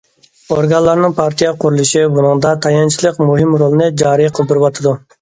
ئورگانلارنىڭ پارتىيە قۇرۇلۇشى بۇنىڭدا تايانچلىق مۇھىم رولىنى جارى قىلدۇرۇۋاتىدۇ.